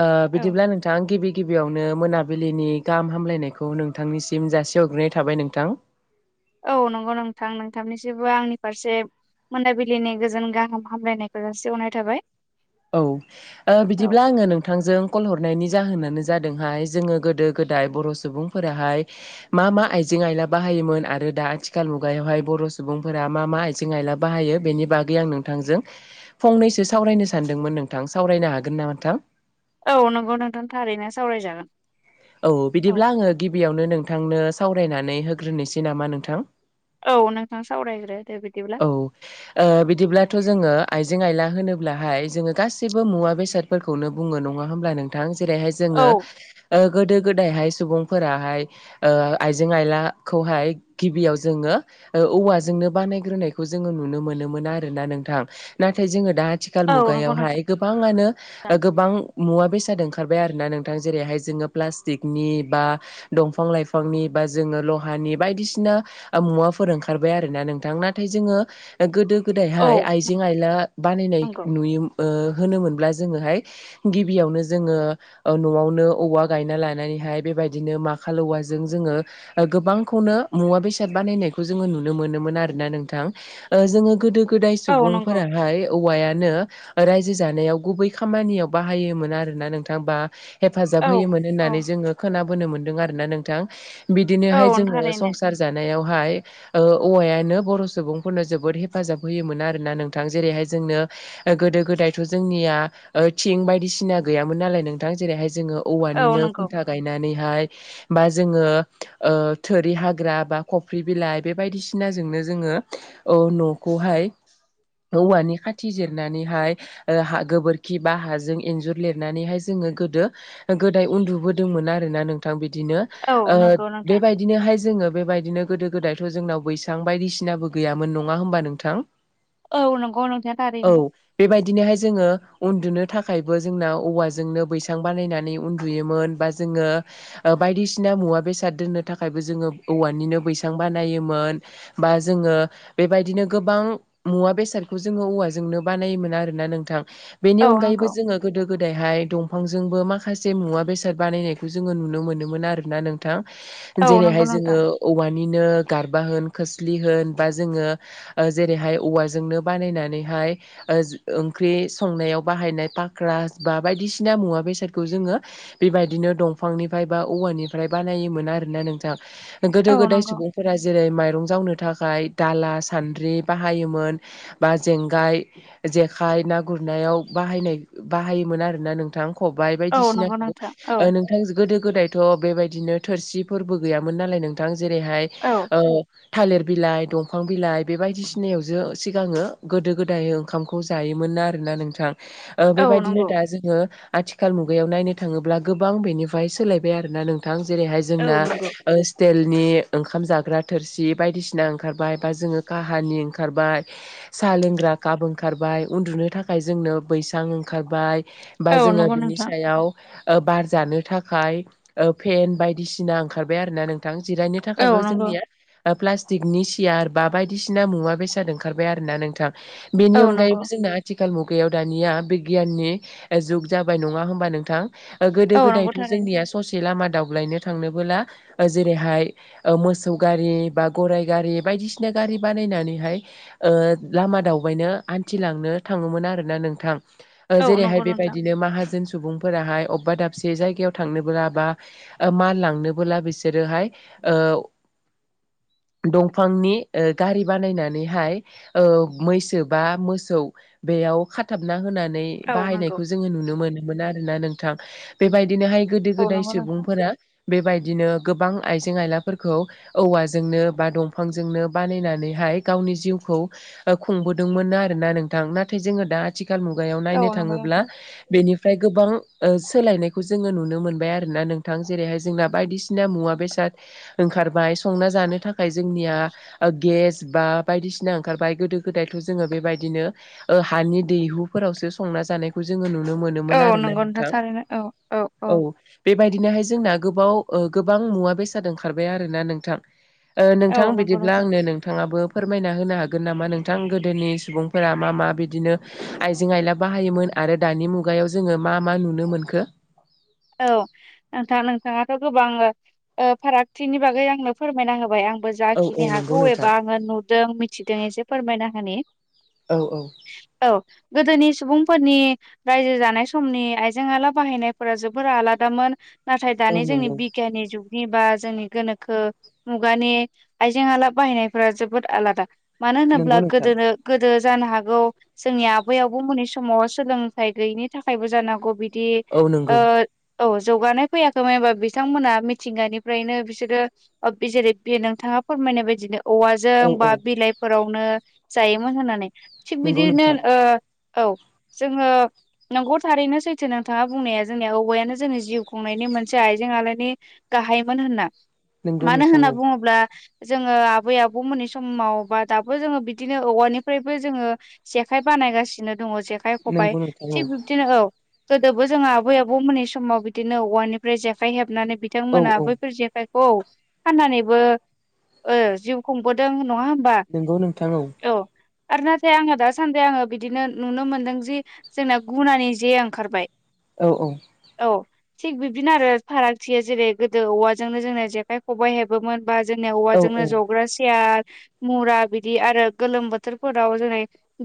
ओ औ बिदिब्ला नोंथाङा गिबि गिबियावनो नो मोनाबिलिनि गाहाम हामलायनायखौ नोंथांनिसिम जासि हरग्रोनाय थाबाय नोंथां औ नंगौ नोंथां नोंथांनिसोबो आंनि फारसे मोनाबिलिनि गोजोन गाहाम हामलायनायखौ जासिहरनाय थाबाय औ ओ औ बिदिब्ला आङो नोंथांजों कल हरनायनि जाहोनानो जादोंहाय जोङो गोदो गोदाय बर' सुबुंफोराहाय मा मा आइजें आइला बाहाय योम आरो दा आथिखाल मुगायावहाय बर' सुबुंफोरा मा मा आइजें आइला बाहायो बेनि बागै आं नोंथांजों फंनैसो सावरायनो सानदोंमोन नोंथां सावरायनो हागोन नामा नोंथां औ नंगौ नोंथां थारैनो सावरायजागोन औ बिदिब्ला आङो गिबियावनो नोंथांनो सावरायनानै होग्रोनोसै नामा नोंथां? औ नोंथां सावरायग्रो दे बिदिब्ला औ ओ बिदिब्लाथ' जोङो आय जें आयला होनोब्लाहाय जोङो गासिबो मुवा बेसादफोरखौनो बुङो नङा होमब्ला नोंथां। जेरैहाय औ जोङो ओ गोदो गोदायहाय सुबुंफोराहाय आइजें आयलाखौहाय गिबियाव जोङो ओ औवाजोंनो बानायग्रोनायखौ जोङो नुनो मोनोमोन आरोना नोंथां नाथाय जोङो दा आथिखाल औ नंगौ नोंथां मुगायावहाय गोबाङानो गोबां मुवा बेसाद ओंखा खारबाय आरोना नोंथां जेरैहाय जोङो प्लासटिकनि बा दंफां लाइफां नि बा जोङो लहानि बायदिसिना मुवाफोर ओंखारबाय आरोना नोंथां नाथाय जोङो गोदो औ गोदायहाय आइजें आइला बानायनाय नंगौ नुयो ओ होनोमोनब्ला जोङोहाय गिबियावनो जोङो ओ न'आवनो औवा गायना लानानैहाय बेबायदिनो माखाल औवाजों जोङो गोबांखौनो मुवा बेसाद बा बानायनायखौ जोङो नुनो मोनोमोन आरोना नोंथां ओ जोङो गोदो गोदाय औ नंगौ सुबुंफोराहाय औवायानो रायजो जानायाव गुबै खामानियाव बाहायोमोन आरोना नोंथां बा हेब फाजाब औ होयोमोन औ होननानै जोङो खोनाबोनो मोन्दों आरो ना नोंथां बिदिनोहाय औ जोङो थारैनो संसार जानायाव हाय ओ औवायानो बर' सुबुंफोरनो जोबोद हेफाजाब होयोमोन आरोना नोंथां जेरैहाय जोंनो गोदो गोदायथ' जोंनिया ओ थिं बायदिसिना गैयामोन नालाय नोंथां जेरैहाय जोङो औ औवानिनो नंगौ खुन्था गायनानैहाय बा जोङो ओ थोरि हाग्रा बा खफ्रि बिलाइ बे बायदिसिनाजोंनो जोङो औ न'खौहाय औवानि खाथि जिरनानैहाय ओ हा गोबोरखि बा हाजों एनजुर लिरनानैहाय जों जोङो गोदो गोदाय उनदुबोदोंमोन आरोना नोंथां बिदि बिदिनो औ ओ नंगौ नोंथां बेबायदिनोहाय जोङो बेबायदिनो गोदो गोदायथ' जोंनाव बैसां बायदिसिनाबो गैयामोन नङा होमबा नोंथां औ नंगौ नोंथां औ थारैनो बेबायदिनोहाय जोङो उनदुनो थाखायबो जोंना औवाजोंनो बैसां बानायनानै उनदुयोमोन बा जोङो बायदिसिना मुवा बेसाद दोननो थाखायबो जोङो औवा निनो बैसां बानायोमोन बा जोङो बेबायदिनो गोबां मुवा बेसादखौ जों जोङो औवाजोंनो बानायोमोन आरो नोंथां बेनि औ अनगायैबो नंगौ जोङो गोदो गोदायहाय दंफांजों जोंबो माखासे मुवा बेसाद बानायनायखौ जोङो नुनो मोनोमोन आरोना नोंथां औ नंगौ जेरैहाय नोंथां जोङो औवानिनो गारबा होन खोस्लि होन बा जोङो जेरैहाय औवाजोंनो बानायनानैहाय ओ ओंख्रि संनायाव बाहायनाय फाख्रा बा बायदिसिना मुवा बेसादखौ जोङो बेबायदिनो दंफांनिफ्राय बा औवानिफ्राय बानायोमोन आरोना नोंथां गोदो औ गोदाय नंगौ सुबुंफोरा जेरै माइरं जावनो थाखाय दाला सानद्रि बाहायोमोन बा जेंगाय जेखाइ ना गुर गुरनायाव बाहायनाय बाहायोमोन आरोना नोंथां खबाय औ नंगौ बायदिसिनाखौ नोंथां औ ओ नोंथां गोदो गोदायथ' बेबायदिनो थोरसि फोरबो गैयामोन नालाय नोंथां जेरैहाय औ ओ थालिर बिलाइ दंफां बिलाइ बेबायदिसिनायावसो सिगाङो गोदो गोदाय ओंखामखौ जायोमोन ना आरोना नोंथां ओ औ बेबायदिनो नंगौ दा जोङो आथिखाल मुगायाव नायनो थाङोब्ला गोबां बेनिफ्राय सोलायबाय आरोना नोंथां थां जेरैहाय औ जोंना नंगौ ओ सिथेलनि ओंखाम जाग्रा थोरसि बायदिसिना ओंखारबाय बा जोङो काहानि ओंखारबाय। साहा लोंग्रा काप ओंखारबाय उनदुनो थाखाय जोंनो बैसां ओंखारबाय औ नंगौ नों नि सायाव बार जानो थाखाय ओ फेन बायदिसिना ओंखारबाय आरोना नोंथां। जिरायनो औ थाखायबो नंगौ जोंनिया प्लास्टिकनि सियार बा बायदिसिना मुवा बेसाद ओंखारबाय आरो ना नोंथां। बेनि औ नंगौ अनगायैबो जोंना आथिखाल मुगायाव दानिया बिगियाननि जुग जाबाय नङा हबा नोंथां गोदो औ नंगौ गोदायथ' थारैनो जोंनिया ससे लामा दावबायनो थांनोबोला जेरैहाय मोसौ गारि बा गराइ गारि बायदिसिना गारि बानायनानैहाय लामा दावबायनो हानथिलांनो थाङोमोन आरोना नोंथां। ओ औ जेरैहाय नंगौ नोंथां बेबायदिनो माहाजोन सुबुंफोराहाय अबेबा दाबसे जायगायाव थांनोबो बा मान लांनोबोला बिसोरो हाय ओ [inaudible] दंफांनि गारि बानायनानैहाय ओ मैसो बा मोसौ बे बेयाव खाथाबना होनानै औ नंगौ बाहायनायखौ जोंङो नुनो मोनोमोन आरोना नोंथां। बेबाय दिनोहाय गोदो औ गोदाय नंगौ नोंथां सुबुंफोरा बेबायदिनो गोबां आइजें आइलाफोरखौ औवाजोंनो बा दंफांजोंनो बानायनानैहाय गावनि जिउखौ खुंबोदोंमोन आरोना नोंथां नाथाय जोङो दा आथि थिखाल मुगायाव औ नायनो नंगौ थाङोब्ला नोंथां बेनिफ्राय गोबां ओ सोलायनायखौ जोङो नुनो मोनबाय आरोोना नोंथां जेरैहाय जोंना बायदिसिना मुवा बेसाद ओंखारबाय संना जानो थाखाय जोंनिया गेस बा बायदिसिना ओंखार बाय गोदो गोदायथ' जोङो बेबायदिनो हानि दैहुफोरावसो ओ संना जानाय नुनो मोनोमोन औ आरोना नंगौ नोंथां थारैनो औ औ बे बेबायदिनोहाय जोंना गोबाव गोबां मुवा बेसाद ओंखारबाय आरो ना नोंथां। नोंथां औ नंगौ बिदिब्ला नोंथां आंनो नोंथाङाबो फोरमायना होनो हागोन नामा नोंथां गोदोनि सुबुंफोरा मा मा बिदिनो आइजें आइला बाहायोमोन। आरो दानि मुगायाव जोङो मा मा नुनो मोनखो? औ नोंथां नोंथाङाथ' गोबां फारागथिनि बागै आंनो फोरमायना होबाय आं आंबो औ औ जाखिनि नंगौ हागौ नोंथां एबा आङो नुदों मिथिदों एसे फोरमायना होनानि औ औ गोदोनि सुबुंफोरनि रायजो जानाय समनि आइजें आला बाहायनायफोरा जोबोद फोरा आलादामोन नाथाय औ दानि जोंनि नंगौ बिगियाननि जुग नि बा जोंनि गोनोखो मुगानि आइजें आइला बाहायनायफोरा जोबोद आलादा। मानो नंगौ होनोब्ला नोंथां गोदोनो गोदो जानो हागौ जोंनि आबै आबो मोननि समाव सोलोंथाइ गैयिनि थाखायबो जानो हागौ बि दि औ ओ नंगौ औ जौगानाय फैयाखैमोन होनबा बिथांमोना मिथिंगानिफ्रायनो बिसोरो जेरै बे नोंथां मा फोरमायनाय बायदिनो औवाजों औ बा औ बिलाइफोरावनो जायोमोन होननानै थिग नंगौ बिदिनो नोंथां औ जोङो नंगौ थारैनो सैथो नोंथाङा बुंनाया जोंनिया औ खबायानो जोंनि जिउ खुंनायनि मोनसे आइजें आलायनि गाहायमोन होनना। नंगौ मानो नोंथां होनना औ बुङोब्ला जोङो आबै आबौमोननि समाव बा दाबो जोङो बिदिनो औवानिफ्रायबो जोङो जेखाय बा नायगासिनो दंङ जेखाय खबाय नंगौ नोंथां थि औ बिदिनो औ गोदोबो जोंङो आबै आबौ आबौमोननि समाव बिदिनो औवानिफ्राय जेखाइ हेबनानै औ बिथांमोना औ बैफोर जेखाइ औ फाननानैबो जिउ खुंबोदों। नङा होमबा नंगौ नोंथां औ आरो नाथाय आंहा दासान्दि आङो बिदिनो नुनो मोनदों जि जोंना गुनानि जे ओंखारबाय। अ औ। औ थिग बिबदिनो आरो फारागथिआ जेरै गोदो औवाजोंनो जोंना जेखाइ खबाइ हेबोमोन। बा जोंनिया औ औवाजोंनो जग्रा सियार मुरा बिदि आरो गोलोम बोथोरफोराव जोङै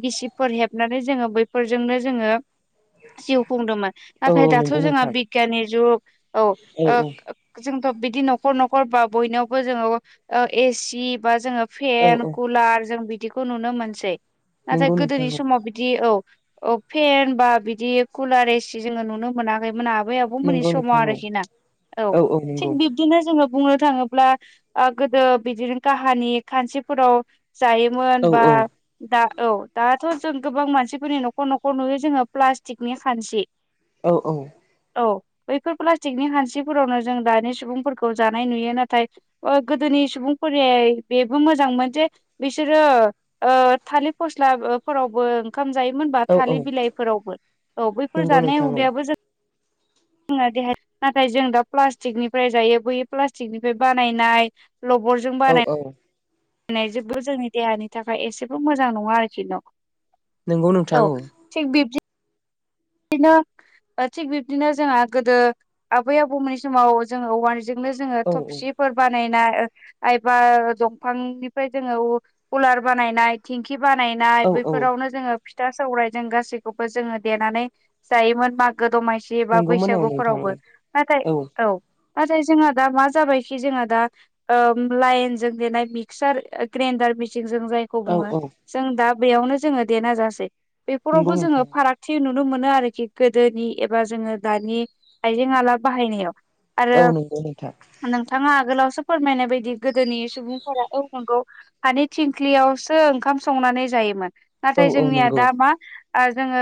गिसिफोर हेबनानै जोङो बैफोरजों नो जोङो जिउ खुंदोंमोन औ औ नाथाय दाथ' नंगौ जोंहा नोंथां बिगियाननि जुग औ ओ जोंथ' बिदि न'खर न'खर बा बयनावबो जोङो ओ एसि बा जोङो औ फेन औ कुलार जों बिदिखौ नुनो मोनसै। नाथाय नंगौ नोंथां गोदोनि औ समाव बिदि औ औ फेन बा बिदि कुलार एसि जोङो नुनो मोनाखैमोन आ बै आबौ मोननि नंगौ समाव नोंथां औ आरोखि ना। औ थिग बिब्दिनो जोङो बुंङो थाङोब्ला आ गोदो बिदिनो काहानि खानसि फोराव जायोमोन औ बा औ दा औ दाथ' जों गोबां मानसिफोरनि न'खर न'खर नुयो जोङो प्लास्टिकनि खानसि। औ औ। औ बैफोर प्लास्टिकनि हानसिफोरावनो जों दानि सुबुंफोरखौ जानाय नुयो नाथाय ओ गोदोनि नि सुबुंफोरियै बेबो मोजांमोन जे बिसोरो ओ थालिर फस्ला ओ फोर आवबो ओंखाम जायोमोनबा औ औ थालिर बिलाइफोरावबो औ बैफोर नंगौ जानाय नोंथां औ हुदायाबो जों जोंना देहा नाथाय जों दा प्लास्टिकनिफाय जायो। बै प्लास्टिकनिफाय बानायनाय लबरजों औ बानाय औ नाय जेबो जोंनि देहानि थाखाय एसेबो मोजां नङा आरोखि न'। नंगौ नोंथां औ थिग बिब्दि दिनो ओ थिग बिब्दिनो जोंहा गोदो आबै आबौमोननि समाव जोङो औवार्ज जोंनो जोङो औ थबसिफोर बा नायनाय ओ आइबा दंफांनिफाय जोङो उ-उलार बानायनाय थेंखि खि बानायनाय औ औ बैफोरावनो जोङो फिथा सौराय जों गासैखौबो जोङो देनानै जायोमोन मागो दमासि एबा नंगौमोन औ नोंथां बैसागुफोरावबो। नाथाय औ नाथाय जोंहा दा मा जाबायखि जोंहा दा ओ लाइनजों देनाय मिक्सार ग्रेनडार मि सिंजों जायखौ बुङो औ जों दा बेयावनो जोङो देना जासै। बेफोरावबो नंगौ जोङो नोंथां फारागथि नु नु मोनो आरोखि गोदोनि एबा जोङो दानि आइजें आला बाहायनायाव। आरो औ नंगौ नोंथां नोंथाङा आगोलावस सो फोरमायनाय बायदि गोदोनि सुबुंफोरा औ नोंगौ हानि थिंख्लियावसो ओंखाम संनानै जायोमोन। औ नाथाय औ जोंनिया नंगौ दा मा आ जोङो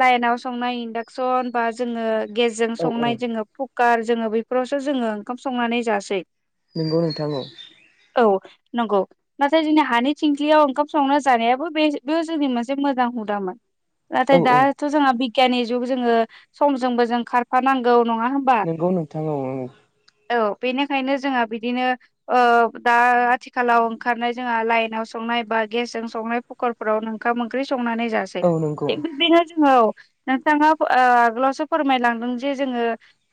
लाइनाव संनाय इन्डाक्सन बा जोङो गेजजों औ औ संनाय जोङो फुफ खार जोङो बैफोरावसो जोङो ओंखाम संनानै जासै। नोंगौ नोंथां औ। औ नोंगौ नाथाय जोंनि हानि थिंखलियाव ओंखाम संनो जानायाबो बे बे जोंनि मोनसे मोजां हुदामोन नाथाय औ दा औ आ बिगियाननि जुग जोङो समजोंबो जों खारफानांगौ। नङा होनबा? नंगौ नोंथां औ औ। बेनिखायनो जोंहा बिदिनो ओ दा आथिखालाव ओंखारनाय जोंहा लाइनाव संनाय बा आ गेसजों संनाय फुखारफोरावनो ओंखाम ओंख्रि संनानै जासै। औ नंगौ थिग बादिनो जों औ नोंथाङा ओ आगोलावसो फोरमायलांदों जे जोङो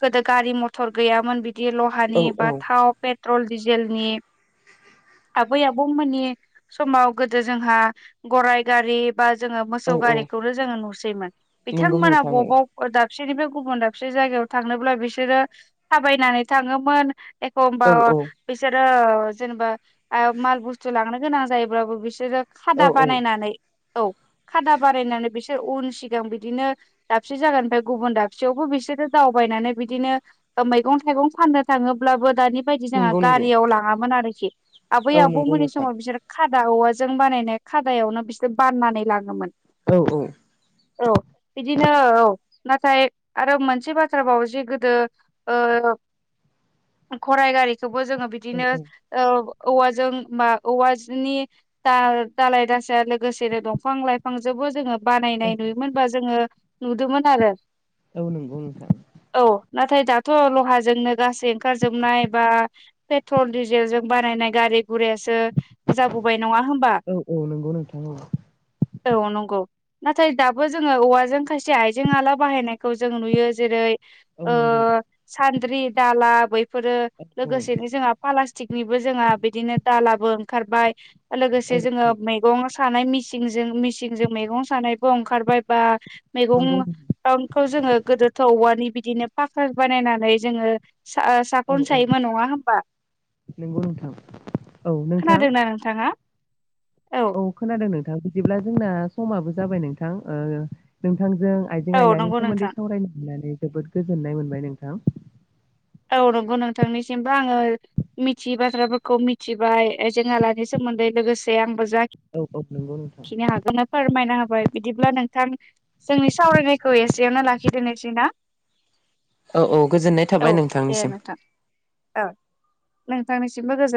गोदो गारि मथर गैयामोन बिदि गे लहानि औ बा औ थाव पेट्रल डिजेलनि आबै आबौमोननि समाव गोदो जोंहा गराय गारि बा जोङो औ मोसौ औ गारिखौनो जोङो नुसैमोन नंगौ बिथांमोना नोंथां औ बबाव गोदा दाबसेनिफ्राय गुबुन दाबसे जायगायाव थांनोब्ला बिसोरो थाबायनानै थाङोमोन। एखमबा औ बिसोरो ओ ओ जेनेबा आ माल बुस्थु लांनो गोनां जायोब्लाबो बिसोरो औ खादा औ बानायनानै औ खादा बारायनानै बिसोर उल सिगां बिदिनो दाबसे जागानिफ्राय गुबुन दाबसेयावबो बिसोरो दावबायनानै बिदिनो ओ मैगं गं थाइगं फाननो थाङोब्लाबो दानि बादि जोंहा नंगौ नंगौ गारियाव लाङामोन आरोखि आबै औ नंगौ आबौमोननि नोंथां समाव बिसोर खादा औवाजों बानायनाय खादायावनो बिसोर बाननानै लाङोमोन। औ औ औ बिदिनो औ नाथाय आरो मोनसे बाथ्रा बाव जे गोदो औ गराइ गारिखौबो जोङो औ बिदिनो औ औवाजों बा औवानि दा दालाय दासा लोगोसेनो दंफां लाइफांजोंबो जोङो औ बानायनाय नुयोमोनबा जोङो नुदोंमोन आरो ‌। औ नंगौ नोंथां। नाथाय दाथ' लहाजोंनो गासै ओंखारजोबनाय बा पेट्रल डिजेलजों बानायनाय गारि गुरायसो जाबोबाय नङा होमबा? औ औ नंगौ नोंथां औ नंगौ नाथाय दाबो जोङो औवाजों खायसे आइजें आला बाहायनायखौ जों नुयो जेरै औ ओ नंगौ सान्द्रि दाला बैफोरो औ औ लोगोसेनो जोंहा प्लासटिकनिबो जोंहा बिदिनो दालाबो ओंखारबाय औ लोगोसे जोङो मैगं सानाय मिसिंजों मिसिंजों मैगं सानायबो ओंखारबाय बा नंगौ मैगंखौ जोङो गोदोथ' औवानि बिदिनो फाखोर बानायनानै जोङो औ साखन औ सायोमोन नङा होमबा? नंगौ नोंथां औ नोंथां। खोनादोंना नोंथाङा औ खोनादों नोंथां बिदिब्ला जोंना समाबो जाबाय नोंथां ओ नोंथां जों आइजें औ आइलानि नंगौ नोंथां सोमोन्दै सावरायनो मोननानै जोबोद गोजोननाय मोनबाय नोंथां। औ नंगौ नोंथांनिसिमबो आङो मिथियै बाथ्राफोरखौ मिथिबाय आइजें आलानि सोमोन्दै लोगोसे आंबो औ औ नंगौ नोंथां जिखिनि हागोन फोरमायना हागोन। बिदिब्ला नोंथां जोंनि सावरायनायखौ एसेयावनो लाखिदेरनोसै ना? औ औ गोजोननाय औ थाबाय नोंथां। दे नोंथां औ नोंथांनिसिमबो गोजोन